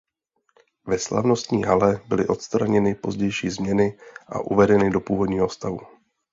Ve slavnostní hale byly odstraněny pozdější změny a uvedeny do původního stavu.